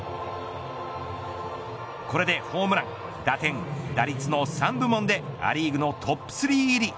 これでホームラン、打点打率の３部門でア・リーグのトップ３入り。